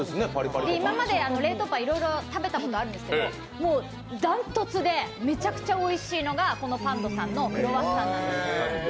今まで冷凍パン、いろいろ食べたことあるんですけどもう断トツでめちゃくちゃおいしいのが、このパン＆さんのクロワッサンなんです。